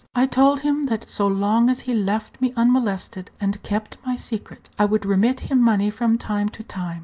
I told him that so long as he left me unmolested, and kept my secret, I would remit him money from time to time.